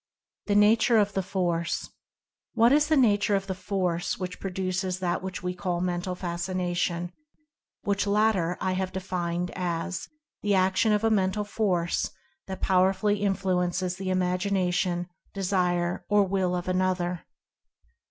THE NATURE OF THE FORCE. What is the nature of the Force which produces that which we call Mental Fascination, which latter I have defined as "The action of a Mental Force that powerfully influences the imagination, desire or will of another